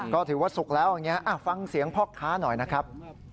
ก็ถือว่าสุกแล้วอย่างนี้ฟังเสียงพ่อค้าหน่อยนะครับ